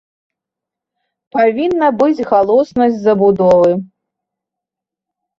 Павінна быць галоснасць забудовы.